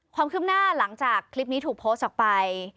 ความคืบหน้าหลังจากคลิปนี้ถูกโพสต์ออกไป